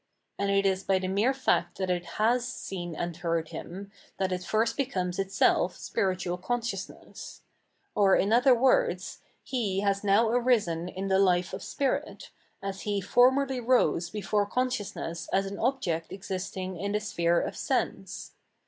And it is by the mere fact that it hm seen and heard Him, that it first becomes itself spiritual consciousness* ; or, in other words. He has now arisen in the life of Spirit, as He formerly rose before consciousness as an object existing in the sphere of sense.